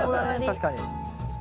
確かに。